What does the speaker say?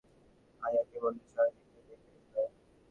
ওষুধপথ্য হয়ে গেলে আদিত্য আয়াকে বললে, সরলাদিদিকে ডেকে দাও।